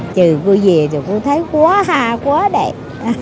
trừ cô về thì cô thấy quá ha quá đẹp